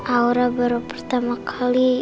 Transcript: aura baru pertama kali